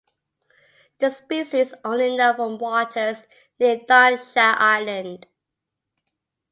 The species is only known from waters near Dong Sha Island.